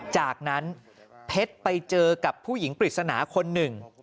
จากนั้นเพชรไปเจอกับผู้หญิงปริศนาคนหนึ่ง